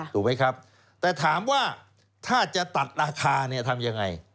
ถูกไหมครับแต่ถามว่าถ้าจะตัดราคาทำอย่างไร